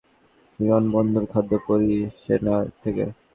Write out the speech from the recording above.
বিমানবন্দর খাদ্য পরিষেবা থেকে।